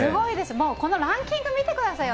もうこのランキング見てくださいよ。